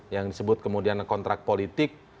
yang disebut kemudian kontrak politik